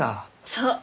そう。